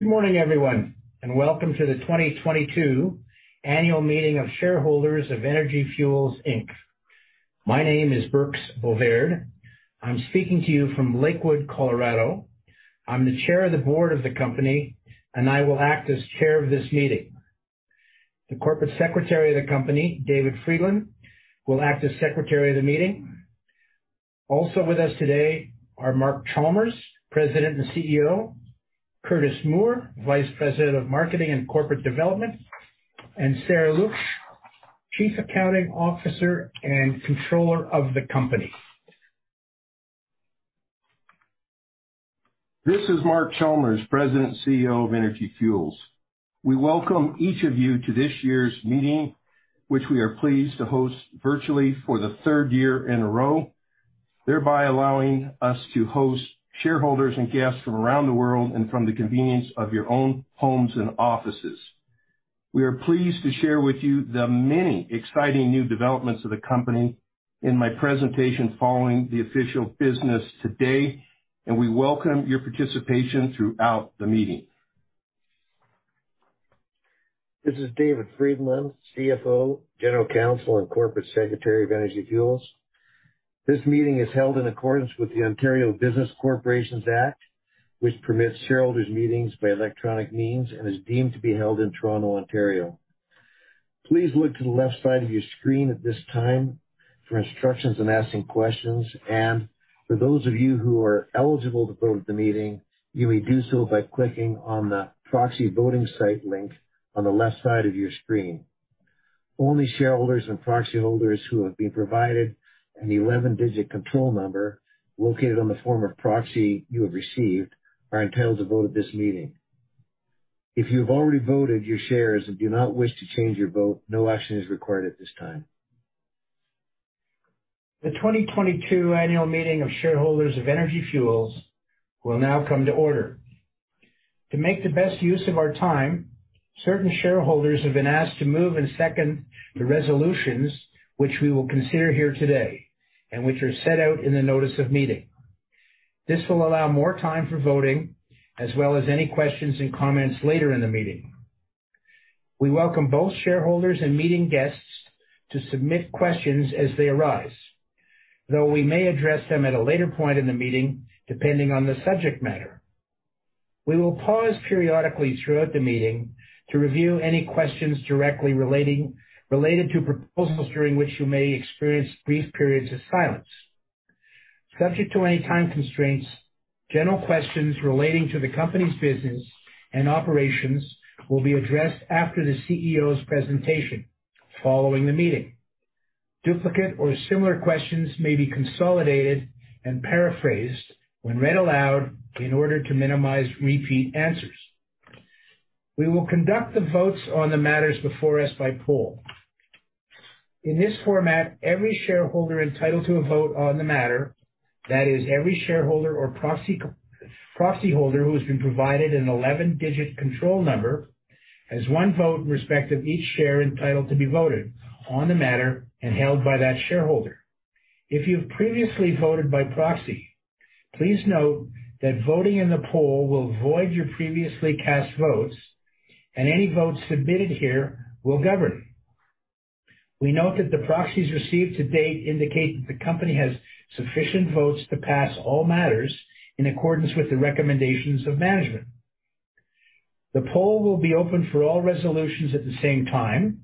Good morning, everyone, and welcome to the 2022 Annual Meeting of Shareholders of Energy Fuels Inc. My name is J. Birks Bovaird. I'm speaking to you from Lakewood, Colorado. I'm the chair of the board of the company, and I will act as chair of this meeting. The corporate secretary of the company, David Frydenlund, will act as secretary of the meeting. Also with us today are Mark Chalmers, President and CEO, Curtis Moore, Vice President of Marketing and Corporate Development, and Sarah Letsch, Chief Accounting Officer and Controller of the company. This is Mark Chalmers, President and CEO of Energy Fuels. We welcome each of you to this year's meeting, which we are pleased to host virtually for the third year in a row, thereby allowing us to host shareholders and guests from around the world and from the convenience of your own homes and offices. We are pleased to share with you the many exciting new developments of the company in my presentation following the official business today, and we welcome your participation throughout the meeting. This is David Frydenlund, CFO, General Counsel, and Corporate Secretary of Energy Fuels. This meeting is held in accordance with the Ontario Business Corporations Act, which permits shareholders' meetings by electronic means and is deemed to be held in Toronto, Ontario. Please look to the left side of your screen at this time for instructions on asking questions, and for those of you who are eligible to vote at the meeting, you may do so by clicking on the proxy voting site link on the left side of your screen. Only shareholders and proxy holders who have been provided an 11-digit control number located on the form of proxy you have received are entitled to vote at this meeting. If you have already voted your shares and do not wish to change your vote, no action is required at this time. The 2022 Annual Meeting of Shareholders of Energy Fuels will now come to order. To make the best use of our time, certain shareholders have been asked to move and second the resolutions which we will consider here today and which are set out in the notice of meeting. This will allow more time for voting as well as any questions and comments later in the meeting. We welcome both shareholders and meeting guests to submit questions as they arise, though we may address them at a later point in the meeting, depending on the subject matter. We will pause periodically throughout the meeting to review any questions directly related to proposals, during which you may experience brief periods of silence. Subject to any time constraints, general questions relating to the company's business and operations will be addressed after the CEO's presentation following the meeting. Duplicate or similar questions may be consolidated and paraphrased when read aloud in order to minimize repeat answers. We will conduct the votes on the matters before us by poll. In this format, every shareholder entitled to a vote on the matter, that is, every shareholder or proxy, proxy holder who has been provided an 11-digit control number, has one vote in respect of each share entitled to be voted on the matter and held by that shareholder. If you've previously voted by proxy, please note that voting in the poll will void your previously cast votes, and any votes submitted here will govern. We note that the proxies received to date indicate that the company has sufficient votes to pass all matters in accordance with the recommendations of management. The poll will be open for all resolutions at the same time.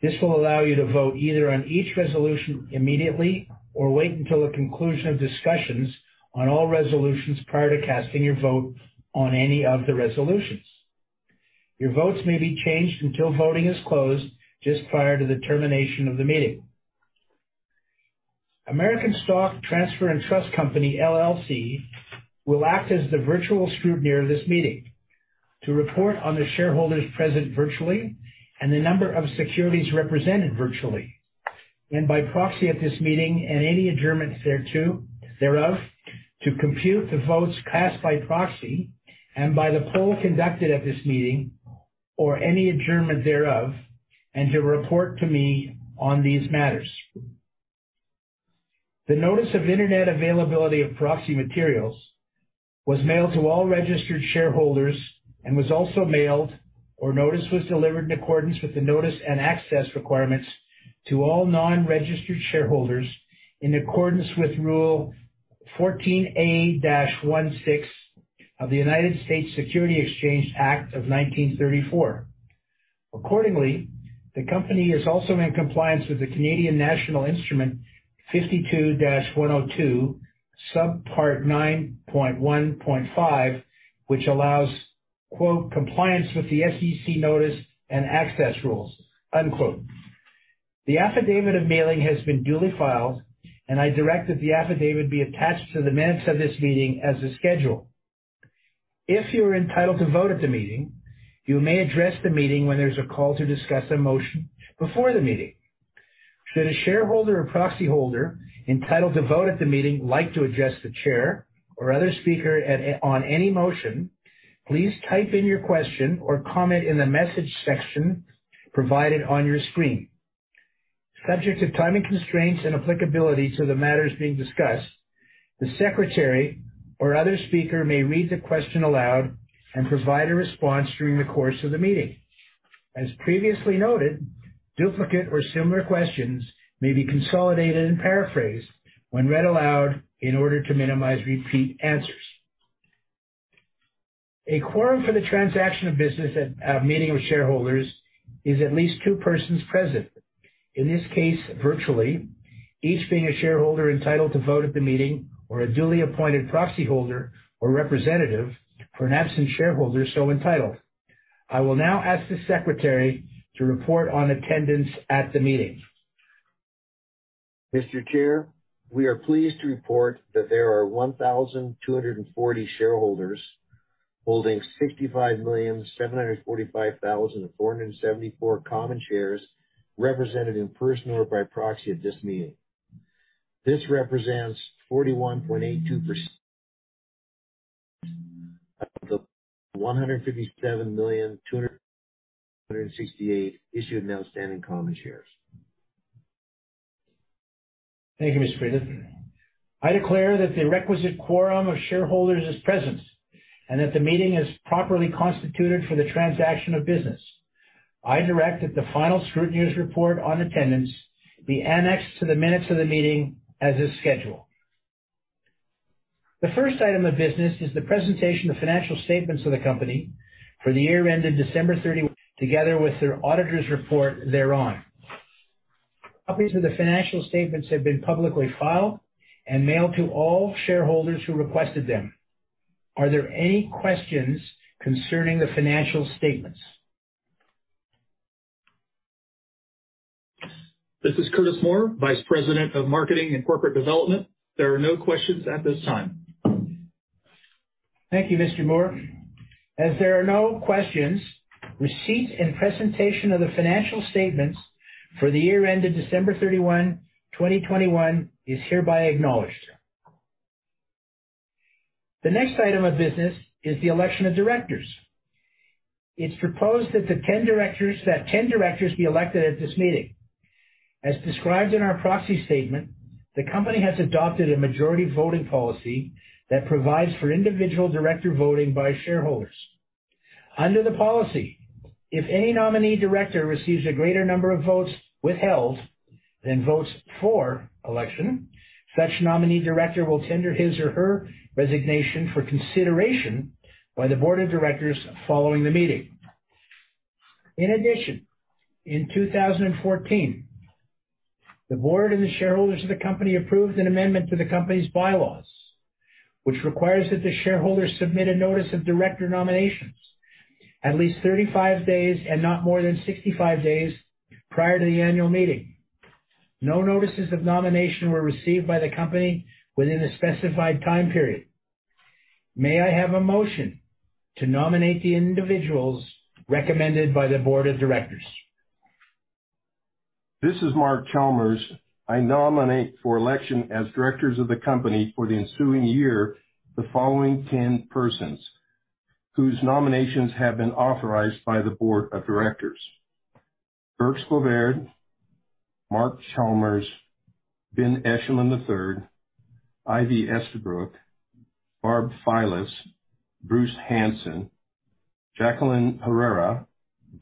This will allow you to vote either on each resolution immediately or wait until the conclusion of discussions on all resolutions prior to casting your vote on any of the resolutions. Your votes may be changed until voting is closed just prior to the termination of the meeting. American Stock Transfer & Trust Company, LLC, will act as the virtual scrutineer of this meeting to report on the shareholders present virtually and the number of securities represented virtually and by proxy at this meeting and any adjournment thereto, thereof, to compute the votes cast by proxy and by the poll conducted at this meeting or any adjournment thereof, and to report to me on these matters. The notice of internet availability of proxy materials was mailed to all registered shareholders and was also mailed or notice was delivered in accordance with the notice and access requirements to all non-registered shareholders in accordance with Rule 14a-16 of the United States Securities Exchange Act of 1934. Accordingly, the company is also in compliance with the Canadian National Instrument 51-102, subpart 9.1.5, which allows, quote, "compliance with the SEC notice and access rules," unquote. The affidavit of mailing has been duly filed, and I direct that the affidavit be attached to the minutes of this meeting as a schedule. If you are entitled to vote at the meeting, you may address the meeting when there's a call to discuss a motion before the meeting. Should a shareholder or proxy holder entitled to vote at the meeting like to address the chair or other speaker at, on any motion, please type in your question or comment in the message section provided on your screen... Subject to timing constraints and applicability to the matters being discussed, the secretary or other speaker may read the question aloud and provide a response during the course of the meeting. As previously noted, duplicate or similar questions may be consolidated and paraphrased when read aloud in order to minimize repeat answers. A quorum for the transaction of business at a meeting with shareholders is at least two persons present. In this case, virtually, each being a shareholder entitled to vote at the meeting, or a duly appointed proxy holder or representative for an absent shareholder so entitled. I will now ask the secretary to report on attendance at the meeting. Mr. Chair, we are pleased to report that there are 1,240 shareholders holding 65,745,474 common shares represented in person or by proxy at this meeting. This represents 41.82% of the 157,268,000 issued and outstanding common shares. Thank you, Mr. Frydenlund. I declare that the requisite quorum of shareholders is present and that the meeting is properly constituted for the transaction of business. I direct that the final scrutineer's report on attendance be annexed to the minutes of the meeting as a schedule. The first item of business is the presentation of financial statements of the company for the year ended December 30, together with their auditor's report thereon. Copies of the financial statements have been publicly filed and mailed to all shareholders who requested them. Are there any questions concerning the financial statements? This is Curtis Moore, Vice President of Marketing and Corporate Development. There are no questions at this time. Thank you, Mr. Moore. As there are no questions, receipt and presentation of the financial statements for the year ended December 31, 2021, is hereby acknowledged. The next item of business is the election of directors. It's proposed that 10 directors be elected at this meeting. As described in our proxy statement, the company has adopted a majority voting policy that provides for individual director voting by shareholders. Under the policy, if any nominee director receives a greater number of votes withheld than votes for election, such nominee director will tender his or her resignation for consideration by the board of directors following the meeting. In addition, in 2014, the board and the shareholders of the company approved an amendment to the company's bylaws, which requires that the shareholders submit a notice of director nominations at least 35 days and not more than 65 days prior to the annual meeting. No notices of nomination were received by the company within the specified time period. May I have a motion to nominate the individuals recommended by the board of directors? This is Mark Chalmers. I nominate for election as directors of the company for the ensuing year, the following 10 persons whose nominations have been authorized by the board of directors: J. Birks Bovaird, Mark Chalmers, Ben Eshleman III, Ivy Estabrooke, Barb Filas, Bruce Hansen, Jacqueline Herrera,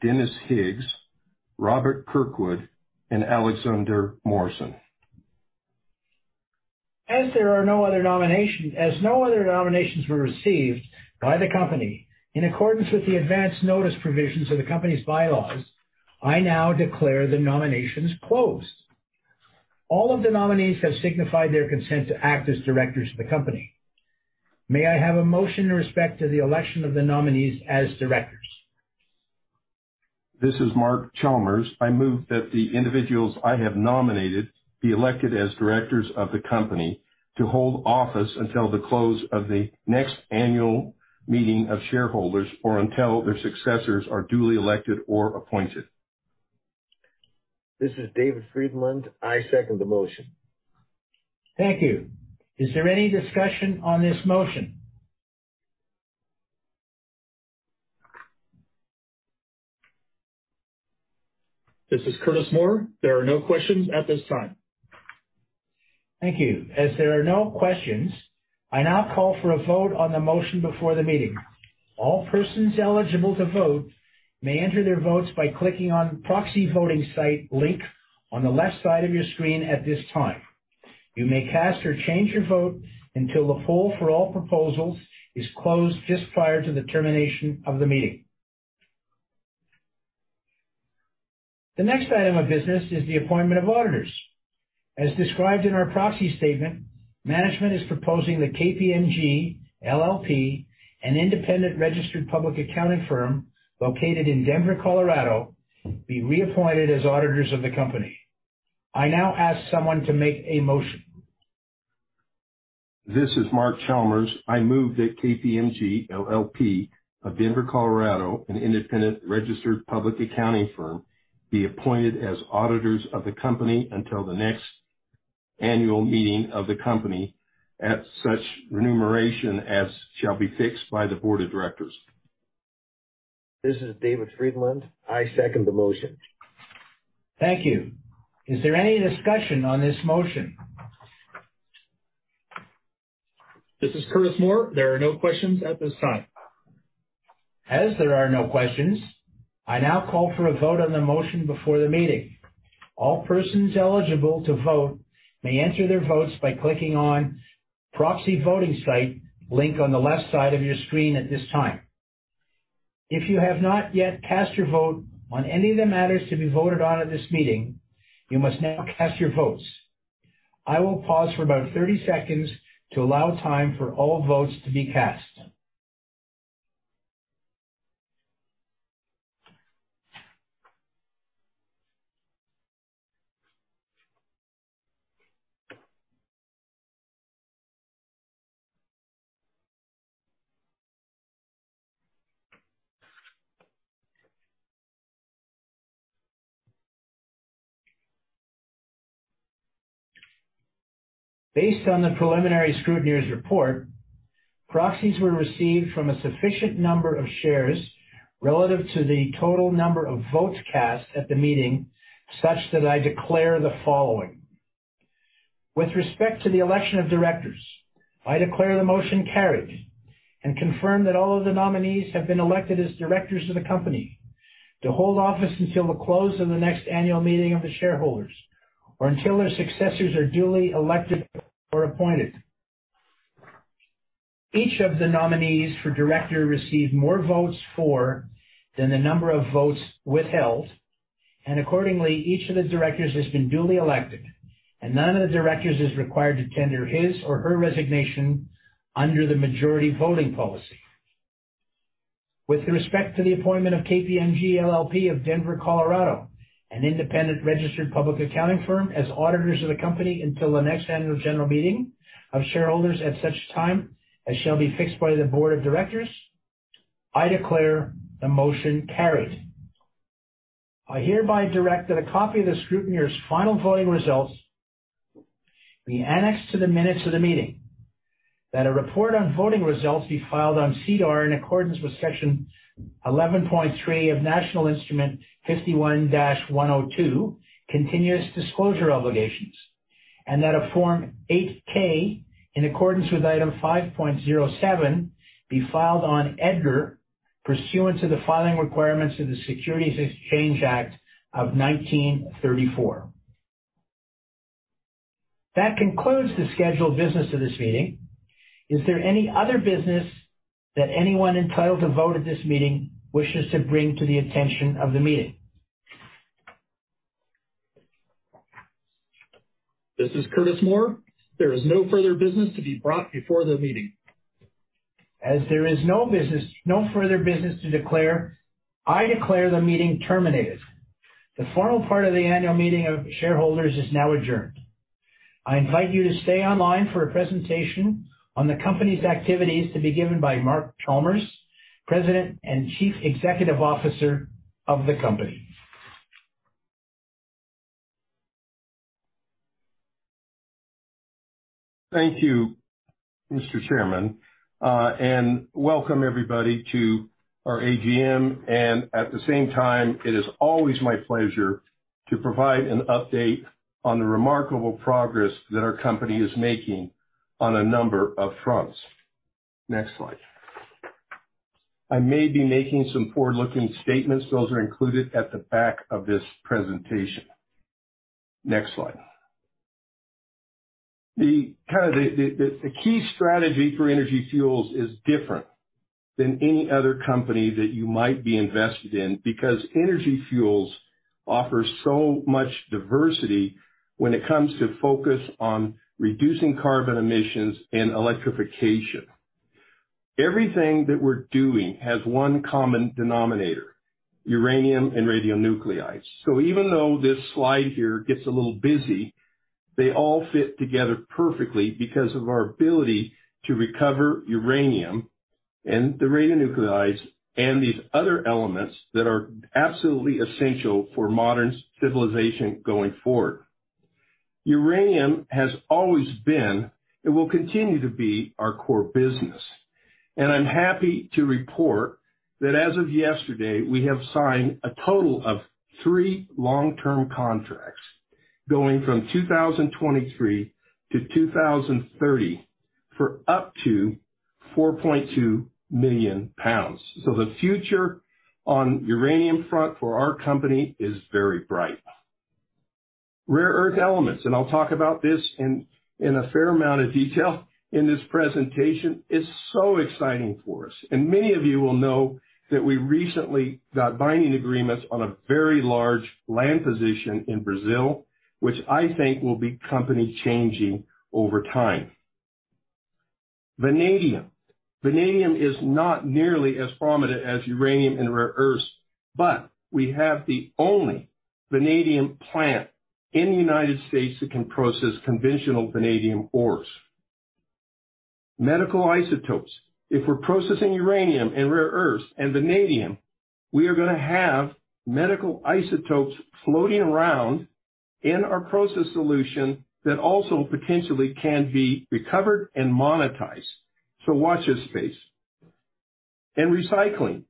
Dennis Higgs, Robert Kirkwood, and Alexander Morrison. As no other nominations were received by the company, in accordance with the advance notice provisions of the company's bylaws, I now declare the nominations closed. All of the nominees have signified their consent to act as directors of the company. May I have a motion in respect to the election of the nominees as directors? This is Mark Chalmers. I move that the individuals I have nominated be elected as directors of the company to hold office until the close of the next annual meeting of shareholders or until their successors are duly elected or appointed. This is David Frydenlund. I second the motion. Thank you. Is there any discussion on this motion? This is Curtis Moore. There are no questions at this time. Thank you. As there are no questions, I now call for a vote on the motion before the meeting. All persons eligible to vote may enter their votes by clicking on Proxy Voting Site link on the left side of your screen at this time. You may cast or change your vote until the poll for all proposals is closed just prior to the termination of the meeting. The next item of business is the appointment of auditors. As described in our proxy statement, management is proposing that KPMG LLP, an independent registered public accounting firm located in Denver, Colorado, be reappointed as auditors of the company. I now ask someone to make a motion. This is Mark Chalmers. I move that KPMG LLP of Denver, Colorado, an independent registered public accounting firm, be appointed as auditors of the company until the next annual meeting of the company, at such remuneration as shall be fixed by the board of directors.... This is David Frydenlund. I second the motion. Thank you. Is there any discussion on this motion? This is Curtis Moore. There are no questions at this time. As there are no questions, I now call for a vote on the motion before the meeting. All persons eligible to vote may enter their votes by clicking on Proxy Voting Site link on the left side of your screen at this time. If you have not yet cast your vote on any of the matters to be voted on at this meeting, you must now cast your votes. I will pause for about 30 seconds to allow time for all votes to be cast. Based on the preliminary scrutineer's report, proxies were received from a sufficient number of shares relative to the total number of votes cast at the meeting, such that I declare the following: With respect to the election of directors, I declare the motion carried and confirm that all of the nominees have been elected as directors of the company to hold office until the close of the next annual meeting of the shareholders, or until their successors are duly elected or appointed. Each of the nominees for director received more votes for than the number of votes withheld, and accordingly, each of the directors has been duly elected and none of the directors is required to tender his or her resignation under the majority voting policy. With respect to the appointment of KPMG LLP of Denver, Colorado, an independent registered public accounting firm, as auditors of the company until the next annual general meeting of shareholders at such time as shall be fixed by the board of directors, I declare the motion carried. I hereby direct that a copy of the scrutineer's final voting results be annexed to the minutes of the meeting, that a report on voting results be filed on SEDAR in accordance with Section 11.3 of National Instrument 51-102, Continuous Disclosure Obligations, and that a Form 8-K, in accordance with Item 5.07, be filed on EDGAR pursuant to the filing requirements of the Securities Exchange Act of 1934. That concludes the scheduled business of this meeting. Is there any other business that anyone entitled to vote at this meeting wishes to bring to the attention of the meeting? This is Curtis Moore. There is no further business to be brought before the meeting. As there is no further business to declare, I declare the meeting terminated. The formal part of the annual meeting of shareholders is now adjourned. I invite you to stay online for a presentation on the company's activities to be given by Mark Chalmers, President and Chief Executive Officer of the company. Thank you, Mr. Chairman, and welcome, everybody, to our AGM, and at the same time, it is always my pleasure to provide an update on the remarkable progress that our company is making on a number of fronts. Next slide. I may be making some forward-looking statements. Those are included at the back of this presentation. Next slide. The kind of key strategy for Energy Fuels is different than any other company that you might be invested in, because Energy Fuels offers so much diversity when it comes to focus on reducing carbon emissions and electrification. Everything that we're doing has one common denominator: uranium and radionuclides. So even though this slide here gets a little busy, they all fit together perfectly because of our ability to recover uranium and the radionuclides and these other elements that are absolutely essential for modern civilization going forward. Uranium has always been, and will continue to be, our core business, and I'm happy to report that as of yesterday, we have signed a total of three long-term contracts going from 2023 to 2030 for up to 4.2 million pounds. So the future on uranium front for our company is very bright. Rare earth elements, and I'll talk about this in a fair amount of detail in this presentation, is so exciting for us. Many of you will know that we recently got binding agreements on a very large land position in Brazil, which I think will be company changing over time. Vanadium. Vanadium is not nearly as prominent as uranium and rare earths, but we have the only vanadium plant in the United States that can process conventional vanadium ores. Medical isotopes. If we're processing uranium and rare earths and vanadium, we are gonna have medical isotopes floating around in our process solution that also potentially can be recovered and monetized. So watch this space. And recycling.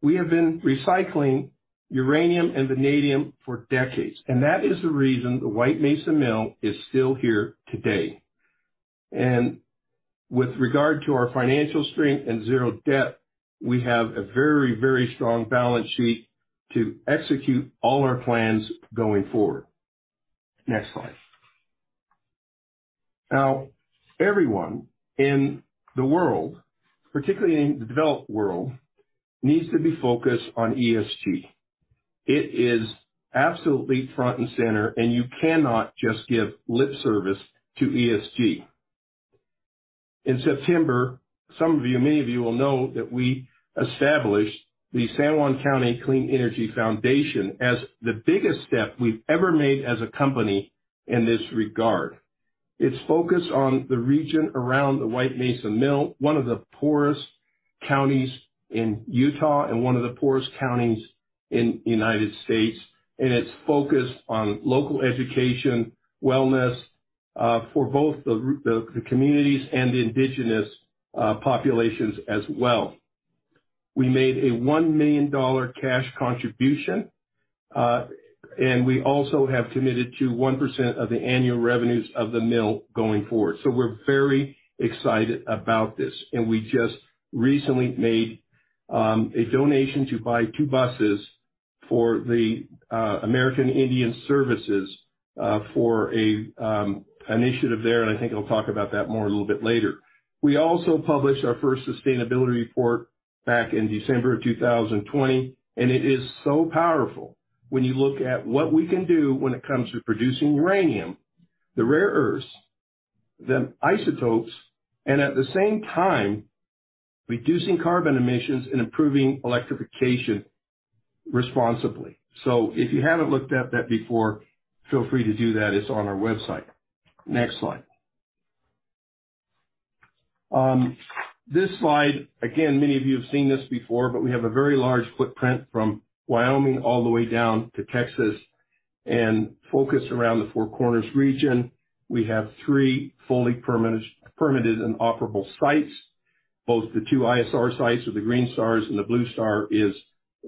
We have been recycling uranium and vanadium for decades, and that is the reason the White Mesa Mill is still here today. And with regard to our financial strength and zero debt, we have a very, very strong balance sheet to execute all our plans going forward. Next slide. Now, everyone in the world, particularly in the developed world, needs to be focused on ESG. It is absolutely front and center, and you cannot just give lip service to ESG. In September, some of you, many of you will know that we established the San Juan County Clean Energy Foundation as the biggest step we've ever made as a company in this regard. It's focused on the region around the White Mesa Mill, one of the poorest counties in Utah and one of the poorest counties in the United States, and it's focused on local education, wellness, for both the communities and the indigenous populations as well. We made a $1 million cash contribution, and we also have committed to 1% of the annual revenues of the mill going forward. So we're very excited about this, and we just recently made a donation to buy two buses for the American Indian Services, for an initiative there, and I think I'll talk about that more a little bit later. We also published our first sustainability report back in December of 2020, and it is so powerful when you look at what we can do when it comes to producing uranium, the rare earths, the isotopes, and at the same time, reducing carbon emissions and improving electrification responsibly. So if you haven't looked at that before, feel free to do that. It's on our website. Next slide. This slide, again, many of you have seen this before, but we have a very large footprint from Wyoming all the way down to Texas, and focused around the Four Corners region. We have three fully permitted and operable sites, both the two ISR sites or the green stars, and the blue star is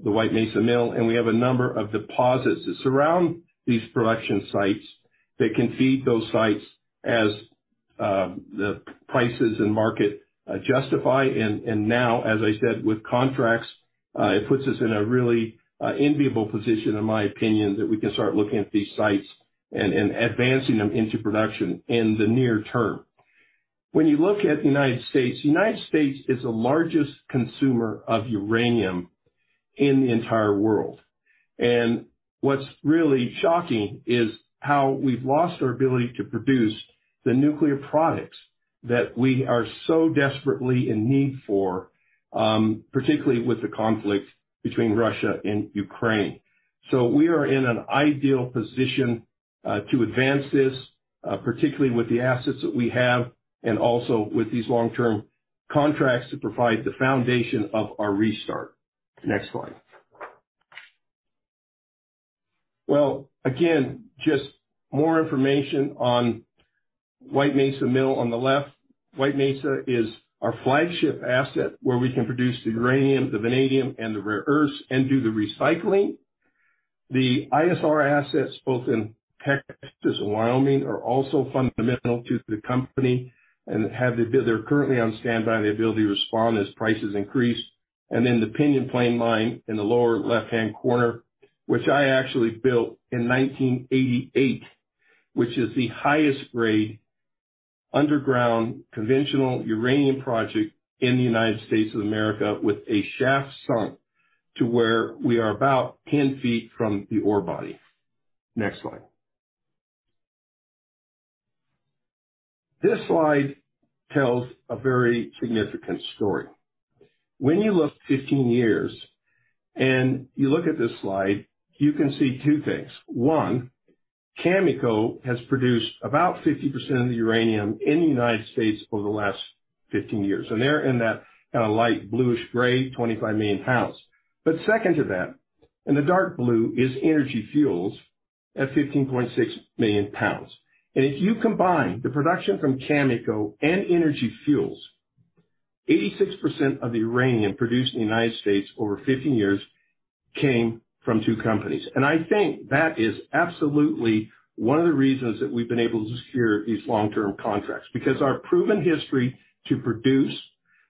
the White Mesa Mill, and we have a number of deposits that surround these production sites that can feed those sites as the prices and market justify. And now, as I said, with contracts, it puts us in a really enviable position, in my opinion, that we can start looking at these sites and advancing them into production in the near term. When you look at the United States, United States is the largest consumer of uranium in the entire world. And what's really shocking is how we've lost our ability to produce the nuclear products that we are so desperately in need for, particularly with the conflict between Russia and Ukraine. So we are in an ideal position to advance this, particularly with the assets that we have, and also with these long-term contracts to provide the foundation of our restart. Next slide. Well, again, just more information on White Mesa Mill on the left. White Mesa is our flagship asset, where we can produce the uranium, the vanadium, and the rare earths, and do the recycling. The ISR assets, both in Texas and Wyoming, are also fundamental to the company and have the ability, they're currently on standby, the ability to respond as prices increase. And then the Pinyon Plain Mine in the lower left-hand corner, which I actually built in 1988, which is the highest grade underground conventional uranium project in the United States of America, with a shaft sunk to where we are about 10 feet from the ore body. Next slide. This slide tells a very significant story. When you look 15 years and you look at this slide, you can see two things. One, Cameco has produced about 50% of the uranium in the United States over the last 15 years, and they're in that kind of light bluish gray, 25 million pounds. But second to that, in the dark blue, is Energy Fuels at 15.6 million pounds. And if you combine the production from Cameco and Energy Fuels, 86% of the uranium produced in the United States over 15 years came from two companies. And I think that is absolutely one of the reasons that we've been able to secure these long-term contracts, because our proven history to produce,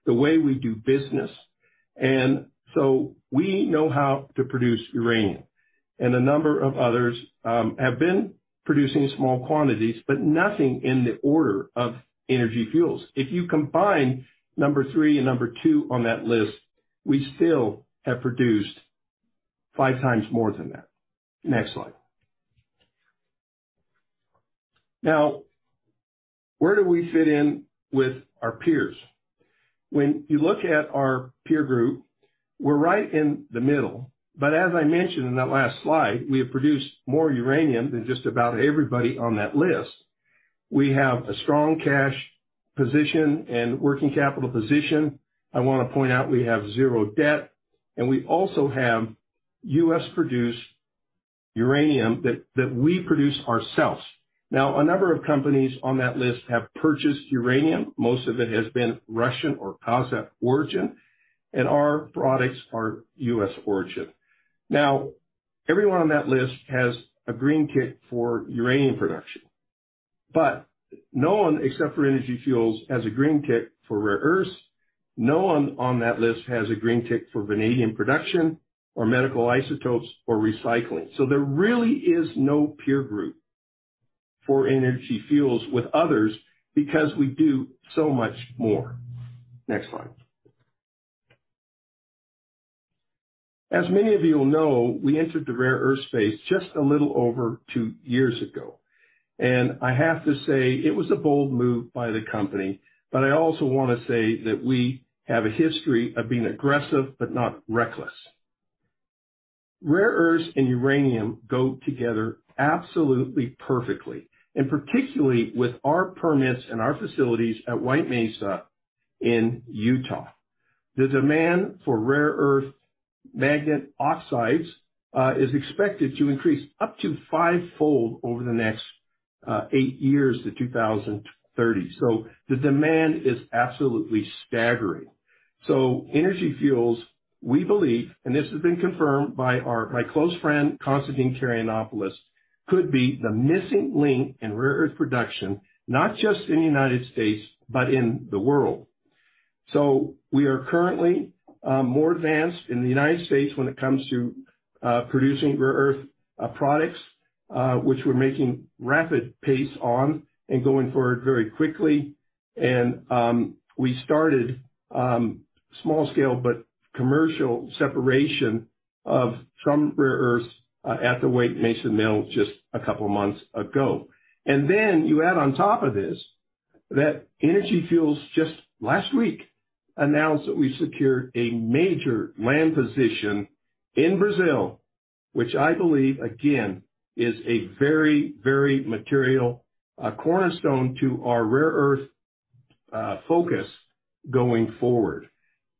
the way we do business, and so we know how to produce uranium. A number of others have been producing small quantities, but nothing in the order of Energy Fuels. If you combine number 3 and number 2 on that list, we still have produced 5 times more than that. Next slide. Now, where do we fit in with our peers? When you look at our peer group, we're right in the middle, but as I mentioned in that last slide, we have produced more uranium than just about everybody on that list. We have a strong cash position and working capital position. I wanna point out we have 0 debt, and we also have U.S.-produced uranium that we produce ourselves. Now, a number of companies on that list have purchased uranium. Most of it has been Russian or Kazakh origin, and our products are U.S. origin. Now, everyone on that list has a green tick for uranium production, but no one, except for Energy Fuels, has a green tick for rare earths. No one on that list has a green tick for vanadium production or medical isotopes or recycling. So there really is no peer group for Energy Fuels with others because we do so much more. Next slide. As many of you will know, we entered the rare earth space just a little over two years ago, and I have to say it was a bold move by the company, but I also wanna say that we have a history of being aggressive, but not reckless. Rare earths and uranium go together absolutely perfectly, and particularly with our permits and our facilities at White Mesa in Utah. The demand for rare earth magnet oxides is expected to increase up to fivefold over the next 8 years to 2030. So the demand is absolutely staggering. So Energy Fuels, we believe, and this has been confirmed by our, my close friend, Constantine Karayannopoulos, could be the missing link in rare earth production, not just in the United States, but in the world. So we are currently more advanced in the United States when it comes to producing rare earth products, which we're making rapid pace on and going forward very quickly. We started small scale, but commercial separation of some rare earths at the White Mesa Mill just a couple of months ago. And then you add on top of this, that Energy Fuels, just last week, announced that we secured a major land position in Brazil, which I believe, again, is a very, very material, cornerstone to our rare earth, focus going forward.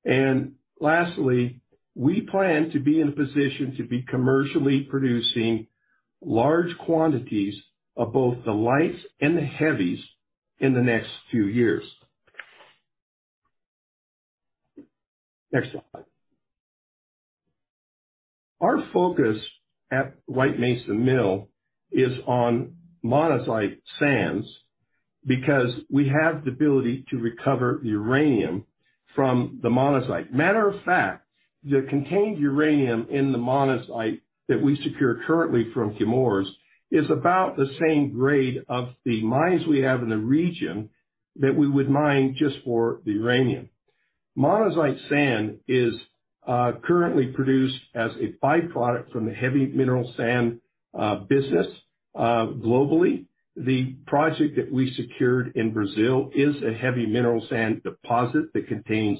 And lastly, we plan to be in a position to be commercially producing large quantities of both the lights and the heavies in the next few years. Next slide. Our focus at White Mesa Mill is on monazite sands, because we have the ability to recover uranium from the monazite. Matter of fact, the contained uranium in the monazite that we secure currently from Chemours is about the same grade of the mines we have in the region that we would mine just for the uranium. Monazite sand is currently produced as a byproduct from the heavy mineral sand business globally. The project that we secured in Brazil is a heavy mineral sand deposit that contains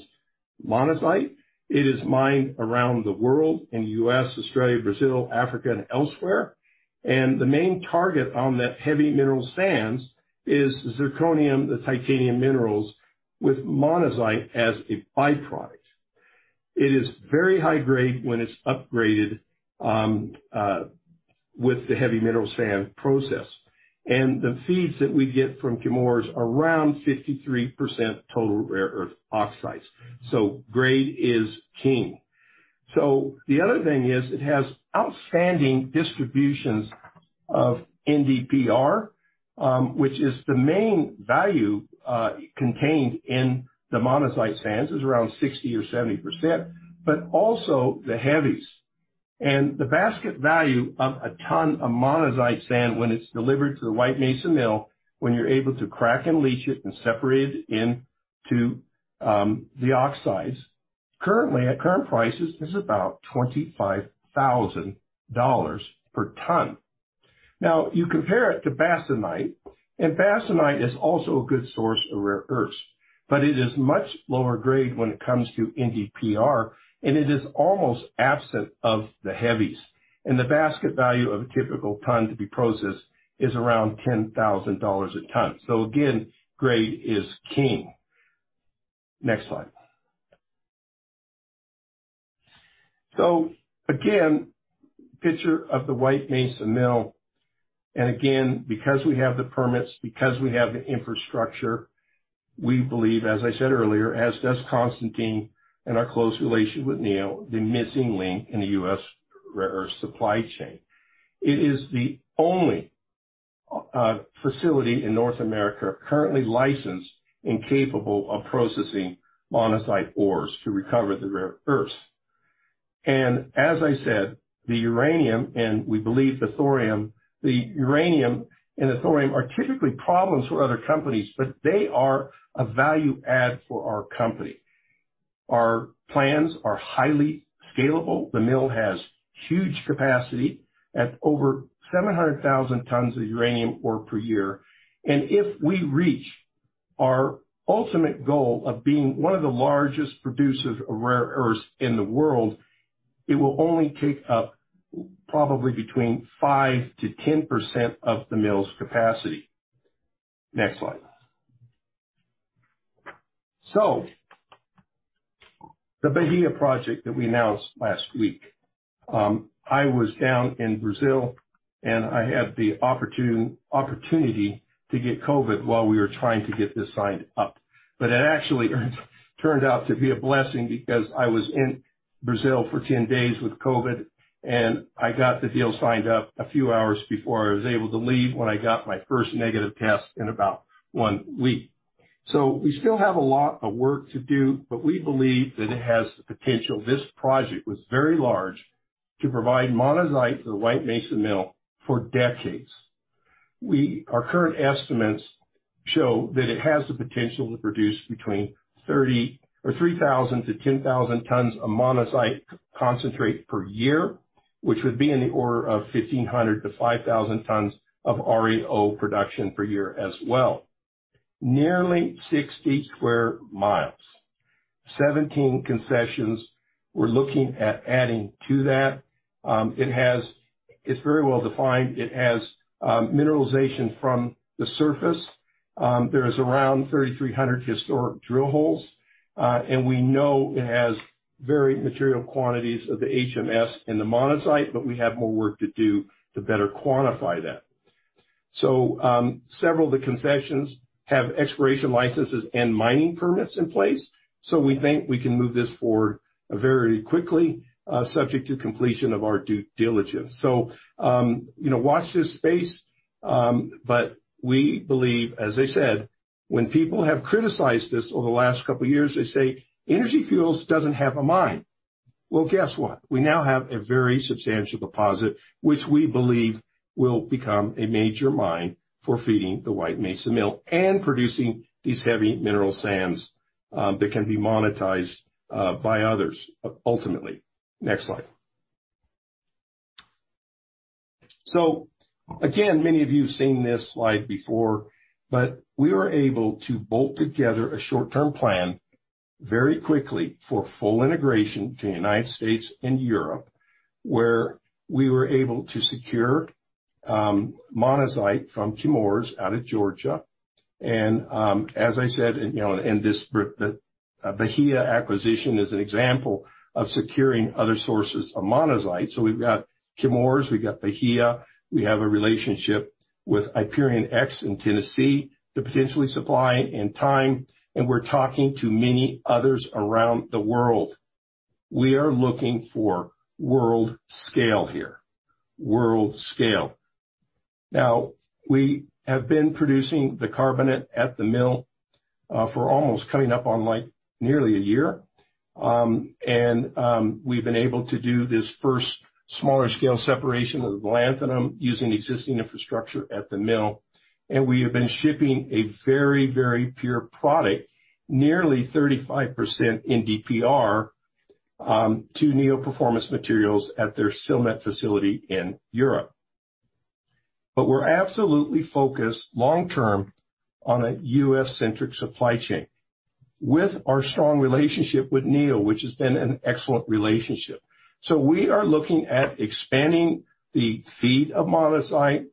monazite. It is mined around the world, in the U.S., Australia, Brazil, Africa, and elsewhere. The main target on that heavy mineral sands is zirconium, the titanium minerals with monazite as a byproduct. It is very high grade when it's upgraded, with the heavy mineral sand process. The feeds that we get from Chemours around 53% total rare earth oxides, so grade is king. The other thing is, it has outstanding distributions of NdPr, which is the main value, contained in the monazite sands, is around 60 or 70%, but also the heavies. And the basket value of a ton of monazite sand when it's delivered to the White Mesa Mill, when you're able to crack and leach it and separate it into the oxides, currently, at current prices, is about $25,000 per ton. Now, you compare it to bastnaesite, and bastnaesite is also a good source of rare earths, but it is much lower grade when it comes to NdPr, and it is almost absent of the heavies. And the basket value of a typical ton to be processed is around $10,000 a ton. So again, grade is king. Next slide. So again, picture of the White Mesa Mill, and again, because we have the permits, because we have the infrastructure, we believe, as I said earlier, as does Constantine and our close relationship with Neo, the missing link in the U.S. rare earth supply chain. It is the only facility in North America currently licensed and capable of processing monazite ores to recover the rare earths. And as I said, the uranium, and we believe the thorium, the uranium and the thorium are typically problems for other companies, but they are a value add for our company. Our plans are highly scalable. The mill has huge capacity at over 700,000 tons of uranium ore per year. And if we reach-... Our ultimate goal of being one of the largest producers of rare earths in the world, it will only take up probably between 5%-10% of the mill's capacity. Next slide. So the Bahia Project that we announced last week, I was down in Brazil, and I had the opportunity to get COVID while we were trying to get this signed up. But it actually turned out to be a blessing because I was in Brazil for 10 days with COVID, and I got the deal signed up a few hours before I was able to leave, when I got my first negative test in about one week. So we still have a lot of work to do, but we believe that it has the potential, this project, which is very large, to provide monazite to the White Mesa Mill for decades. Our current estimates show that it has the potential to produce between 3,000-10,000 tons of monazite concentrate per year, which would be in the order of 1,500-5,000 tons of REO production per year as well. Nearly 60 sq mi, 17 concessions we're looking at adding to that. It has. It's very well defined. It has mineralization from the surface. There is around 3,300 historic drill holes, and we know it has very material quantities of the HMS and the monazite, but we have more work to do to better quantify that. So, several of the concessions have exploration licenses and mining permits in place, so we think we can move this forward very quickly, subject to completion of our due diligence. So, you know, watch this space. But we believe, as I said, when people have criticized this over the last couple of years, they say, "Energy Fuels doesn't have a mine." Well, guess what? We now have a very substantial deposit, which we believe will become a major mine for feeding the White Mesa Mill and producing these heavy mineral sands that can be monetized by others ultimately. Next slide. So again, many of you have seen this slide before, but we were able to bolt together a short-term plan very quickly for full integration to United States and Europe, where we were able to secure monazite from Chemours out of Georgia. As I said, you know, this, the Bahia acquisition is an example of securing other sources of monazite. So we've got Chemours, we've got Bahia, we have a relationship with IperionX in Tennessee to potentially supply in time, and we're talking to many others around the world. We are looking for world scale here, world scale. Now, we have been producing the carbonate at the mill for almost coming up on, like, nearly a year. And we've been able to do this first smaller scale separation of the lanthanum using existing infrastructure at the mill. And we have been shipping a very, very pure product, nearly 35% in NdPr, to Neo Performance Materials at their Silmet facility in Europe. But we're absolutely focused long term on a US-centric supply chain with our strong relationship with Neo, which has been an excellent relationship. So we are looking at expanding the feed of monazite,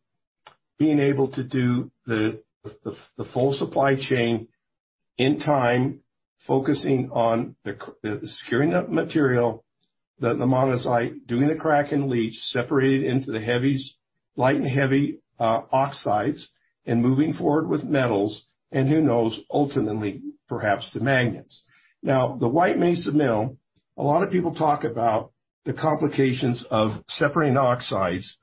being able to do the full supply chain in time, focusing on securing the material, the monazite, doing the crack and leach, separate it into the heavies, light and heavy oxides, and moving forward with metals, and who knows, ultimately, perhaps the magnets. Now, the White Mesa Mill, a lot of people talk about the complications of separating oxides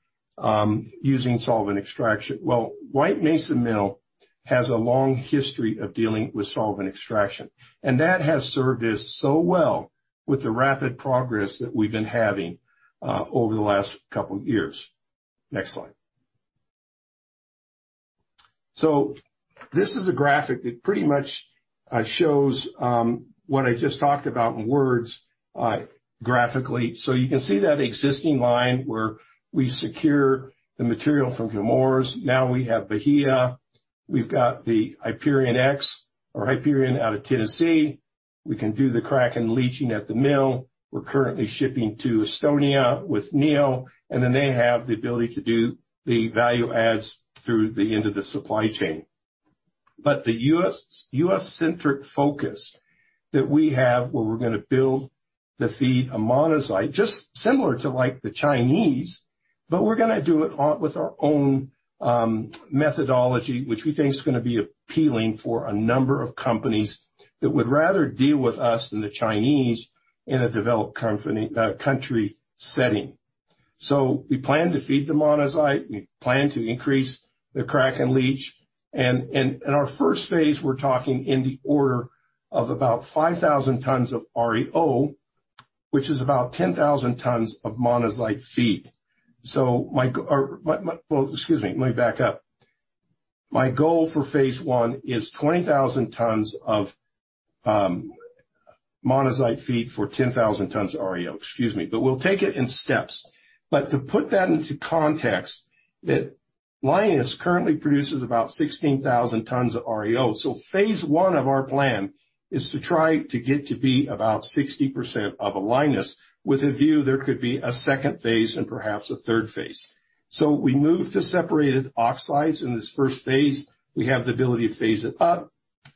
using solvent extraction. Well, White Mesa Mill has a long history of dealing with solvent extraction, and that has served us so well with the rapid progress that we've been having over the last couple of years. Next slide. So this is a graphic that pretty much shows what I just talked about in words graphically. So you can see that existing line where we secure the material from Chemours. Now we have Bahia, we've got the IperionX or IperionX out of Tennessee. We can do the crack and leaching at the mill. We're currently shipping to Estonia with Neo, and then they have the ability to do the value adds through the end of the supply chain. But the U.S., U.S.-centric focus that we have, where we're gonna build the feed of monazite, just similar to like the Chinese, but we're gonna do it on with our own methodology, which we think is gonna be appealing for a number of companies that would rather deal with us than the Chinese in a developed company, country setting. So we plan to feed the monazite, we plan to increase the crack and leach. In our first phase, we're talking in the order of about 5,000 tons of REO, which is about 10,000 tons of monazite feed. So my... Well, excuse me, let me back up. My goal for phase one is 20,000 tons of monazite feed for 10,000 tons of REO, excuse me, but we'll take it in steps. But to put that into context, that Lynas currently produces about 16,000 tons of REO. So phase one of our plan is to try to get to be about 60% of a Lynas, with a view there could be a second phase and perhaps a third phase. So we move to separated oxides in this first phase. We have the ability to phase it up,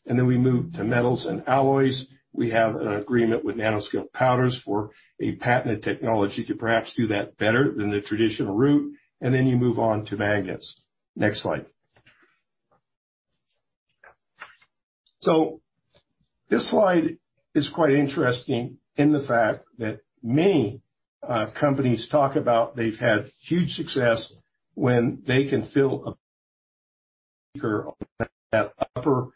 and then we move to metals and alloys. We have an agreement with Nanoscale Powders for a patented technology to perhaps do that better than the traditional route, and then you move on to magnets. Next slide. So this slide is quite interesting in the fact that many companies talk about they've had huge success when they can fill a beaker. On that upper,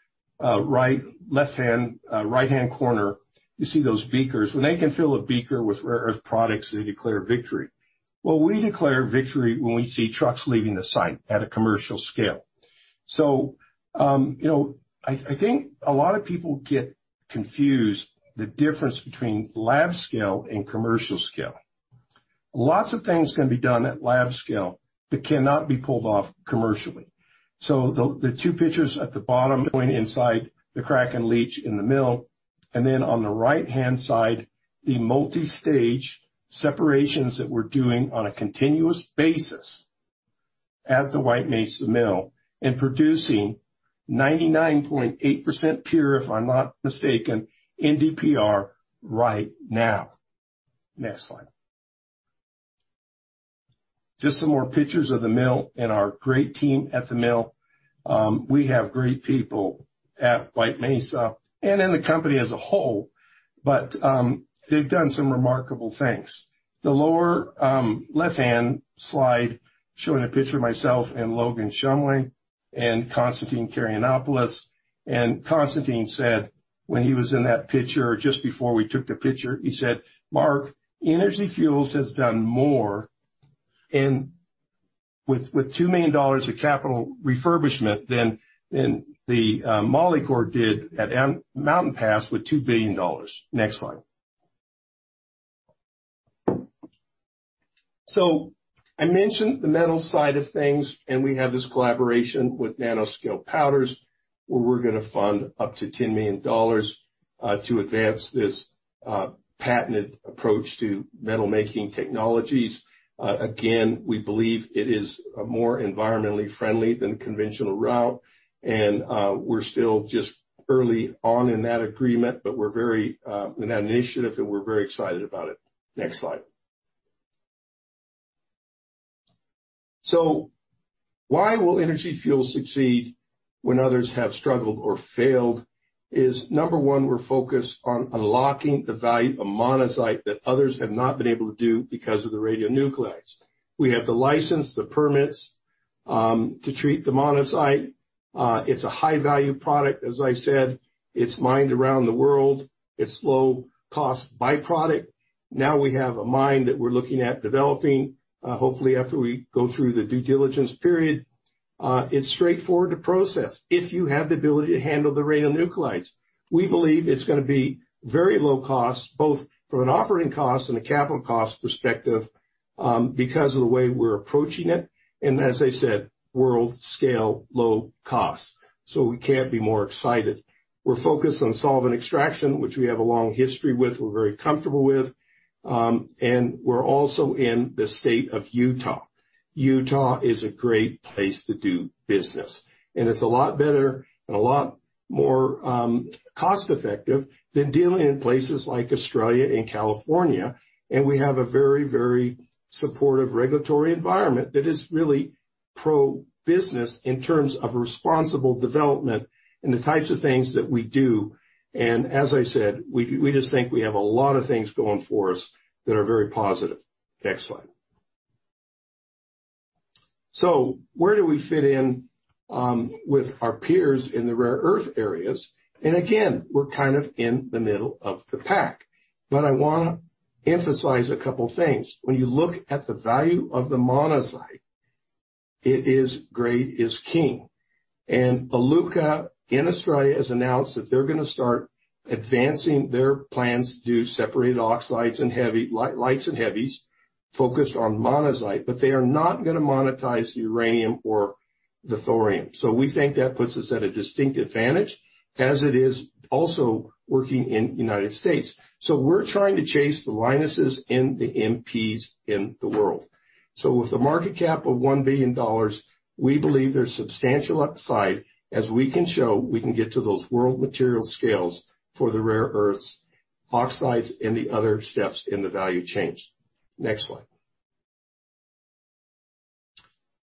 right, left hand, right-hand corner, you see those beakers. When they can fill a beaker with rare earth products, they declare victory. Well, we declare victory when we see trucks leaving the site at a commercial scale. So, you know, I, I think a lot of people get confused the difference between lab scale and commercial scale. Lots of things can be done at lab scale that cannot be pulled off commercially. So the two pictures at the bottom going inside the crack and leach in the mill, and then on the right-hand side, the multi-stage separations that we're doing on a continuous basis at the White Mesa Mill, and producing 99.8% pure, if I'm not mistaken, NdPr right now. Next slide. Just some more pictures of the mill and our great team at the mill. We have great people at White Mesa and in the company as a whole, but they've done some remarkable things. The lower left-hand slide, showing a picture of myself and Logan Shumway and Constantine Karayannopoulos. And Constantine said, when he was in that picture, or just before we took the picture, he said, "Mark, Energy Fuels has done more and with, with $2 million of capital refurbishment than, than the Molycorp did at Mountain Pass with $2 billion." Next slide. So I mentioned the metal side of things, and we have this collaboration with Nanoscale Powders, where we're gonna fund up to $10 million to advance this patented approach to metalmaking technologies. Again, we believe it is more environmentally friendly than conventional route, and we're still just early on in that agreement, but we're very in that initiative, and we're very excited about it. Next slide. So why will Energy Fuels succeed when others have struggled or failed? Our number one, we're focused on unlocking the value of monazite that others have not been able to do because of the radionuclides. We have the license, the permits, to treat the monazite. It's a high-value product, as I said, it's mined around the world. It's low cost byproduct. Now we have a mine that we're looking at developing, hopefully after we go through the due diligence period. It's straightforward to process if you have the ability to handle the radionuclides. We believe it's gonna be very low cost, both from an operating cost and a capital cost perspective, because of the way we're approaching it, and as I said, world-scale, low cost. So we can't be more excited. We're focused on solvent extraction, which we have a long history with, we're very comfortable with, and we're also in the state of Utah. Utah is a great place to do business, and it's a lot better and a lot more cost effective than dealing in places like Australia and California. And we have a very, very supportive regulatory environment that is really pro-business in terms of responsible development and the types of things that we do. And as I said, we, we just think we have a lot of things going for us that are very positive. Next slide. So where do we fit in with our peers in the rare earth areas? And again, we're kind of in the middle of the pack, but I wanna emphasize a couple things. When you look at the value of the monazite, it is grade is king. Iluka, in Australia, has announced that they're gonna start advancing their plans to do separated oxides and heavy-- light, lights and heavies focused on monazite, but they are not gonna monetize the uranium or the thorium. We think that puts us at a distinct advantage as it is also working in the United States. We're trying to chase the Lynas's and the MP's in the world. With a market cap of $1 billion, we believe there's substantial upside, as we can show, we can get to those world material scales for the rare earths, oxides, and the other steps in the value chains. Next slide.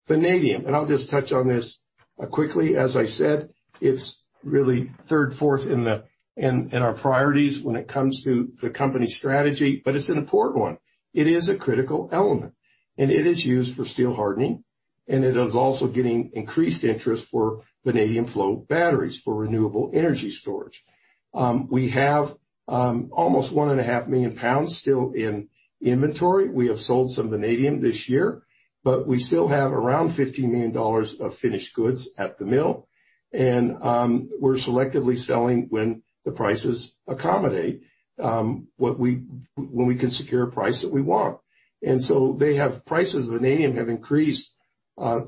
Vanadium, and I'll just touch on this quickly. As I said, it's really third, fourth in our priorities when it comes to the company strategy, but it's an important one. It is a critical element, and it is used for steel hardening.... and it is also getting increased interest for vanadium flow batteries for renewable energy storage. We have almost 1.5 million pounds still in inventory. We have sold some vanadium this year, but we still have around $50 million of finished goods at the mill. And we're selectively selling when the prices accommodate what we when we can secure a price that we want. And so prices of vanadium have increased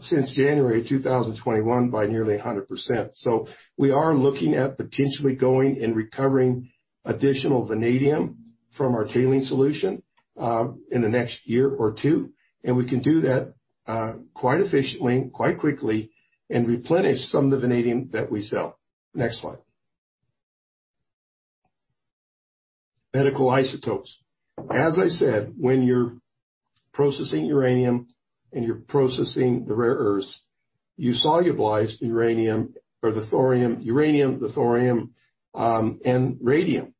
since January 2021 by nearly 100%. So we are looking at potentially going and recovering additional vanadium from our tailings solution in the next year or two, and we can do that quite efficiently, quite quickly, and replenish some of the vanadium that we sell. Next slide. Medical isotopes. As I said, when you're processing uranium, and you're processing the rare earths, you solubilize the uranium or the thorium, uranium, the thorium, and radium.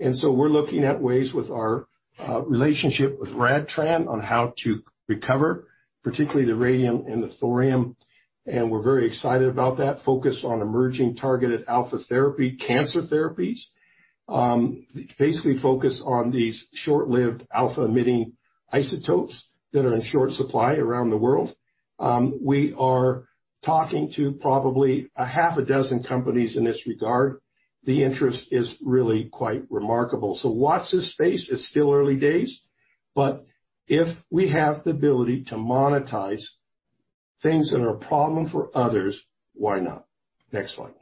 And so we're looking at ways with our relationship with RadTran on how to recover, particularly the radium and the thorium, and we're very excited about that focus on emerging targeted alpha therapy cancer therapies. Basically focus on these short-lived alpha-emitting isotopes that are in short supply around the world. We are talking to probably 6 companies in this regard. The interest is really quite remarkable. So watch this space. It's still early days, but if we have the ability to monetize things that are a problem for others, why not? Next slide.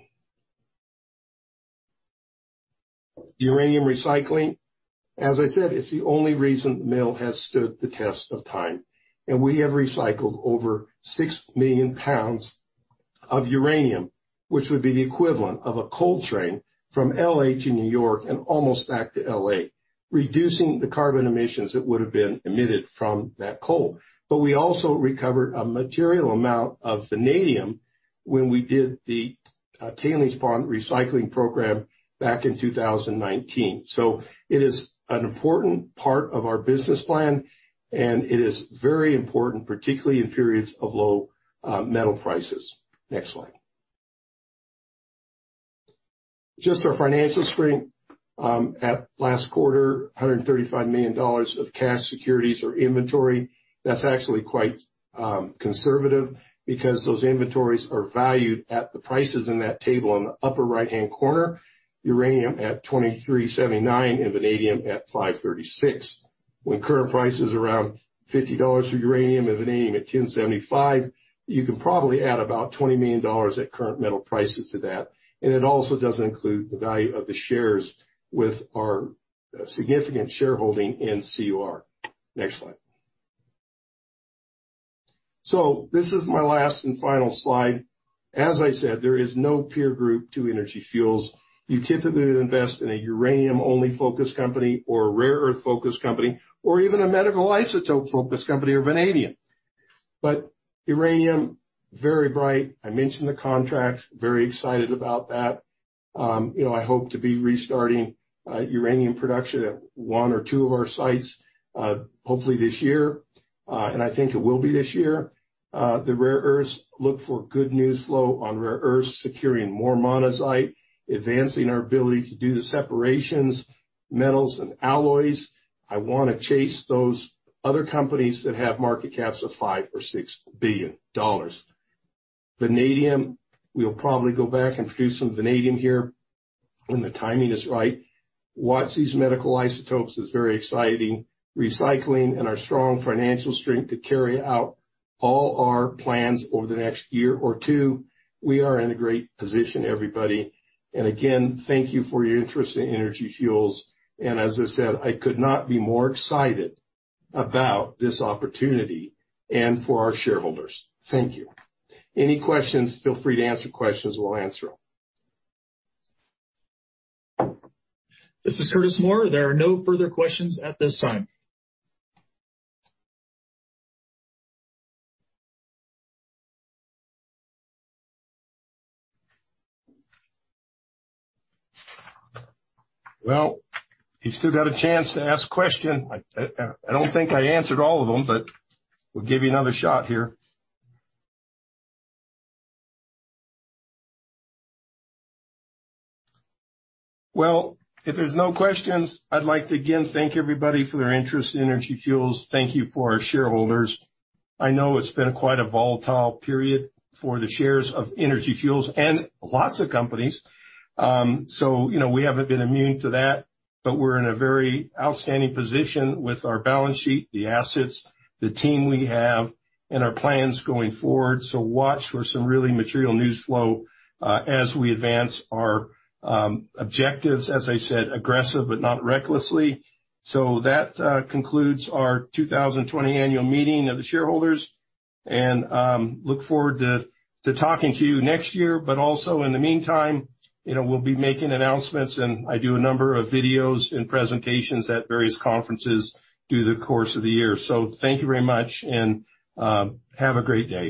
Uranium recycling. As I said, it's the only reason the mill has stood the test of time, and we have recycled over 6 million pounds of uranium, which would be the equivalent of a coal train from L.A. to New York and almost back to L.A., reducing the carbon emissions that would have been emitted from that coal. But we also recovered a material amount of vanadium when we did the tailings pond recycling program back in 2019. So it is an important part of our business plan, and it is very important, particularly in periods of low metal prices. Next slide. Just our financial strength, at last quarter, $135 million of cash, securities, or inventory. That's actually quite conservative because those inventories are valued at the prices in that table in the upper right-hand corner, uranium at $23.79 and vanadium at $5.36. When current price is around $50 for uranium and vanadium at $10.75, you can probably add about $20 million at current metal prices to that. And it also doesn't include the value of the shares with our significant shareholding in CUR. Next slide. So this is my last and final slide. As I said, there is no peer group to Energy Fuels. You typically invest in a uranium-only focus company or a rare earth-focused company, or even a medical isotope-focused company or vanadium. But uranium, very bright. I mentioned the contracts, very excited about that. You know, I hope to be restarting uranium production at one or two of our sites, hopefully this year, and I think it will be this year. The rare earths, look for good news flow on rare earths, securing more monazite, advancing our ability to do the separations, metals and alloys. I want to chase those other companies that have market caps of $5 billion or $6 billion. Vanadium, we'll probably go back and produce some vanadium here when the timing is right. Watch these medical isotopes is very exciting, recycling and our strong financial strength to carry out all our plans over the next year or two. We are in a great position, everybody. And again, thank you for your interest in Energy Fuels, and as I said, I could not be more excited about this opportunity and for our shareholders. Thank you. Any questions? Feel free to ask the questions, we'll answer them. This is Curtis Moore. There are no further questions at this time. Well, you still got a chance to ask a question. I, I don't think I answered all of them, but we'll give you another shot here. Well, if there's no questions, I'd like to again thank everybody for their interest in Energy Fuels. Thank you for our shareholders. I know it's been quite a volatile period for the shares of Energy Fuels and lots of companies. So, you know, we haven't been immune to that, but we're in a very outstanding position with our balance sheet, the assets, the team we have, and our plans going forward. So watch for some really material news flow as we advance our objectives, as I said, aggressive, but not recklessly. So that concludes our 2020 annual meeting of the shareholders, and look forward to talking to you next year. But also in the meantime, you know, we'll be making announcements, and I do a number of videos and presentations at various conferences through the course of the year. So thank you very much, and have a great day.